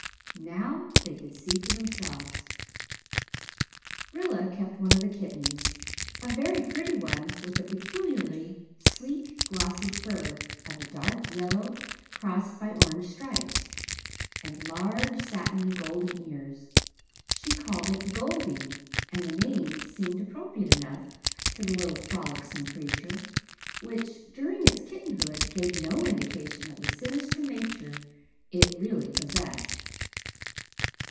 Now they could see for themselves! Rilla kept one of the kittens, a very pretty one, with peculiarly sleek glossy fur of a dark yellow crossed by orange stripes, and large, satiny, golden ears. She called it Goldie and the name seemed appropriate enough to the little frolicsome creature which, during its kittenhood, gave no indication of the sinister nature it really possessed.